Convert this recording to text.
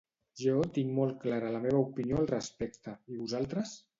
Jo tinc molt clara la meva opinió al respecte, i vosaltres?